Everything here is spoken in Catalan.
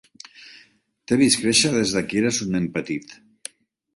T'he vist créixer des que eres un nen petit.